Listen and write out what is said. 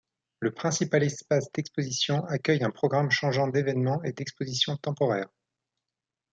Le principal espace d'exposition accueille un programme changeant d'événements et d'expositions temporaires.